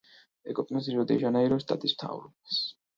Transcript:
ეკუთვნის რიო-დე-ჟანეიროს შტატის მთავრობას.